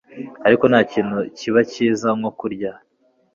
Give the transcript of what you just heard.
ariko ntakintu kiba kiza nko kurya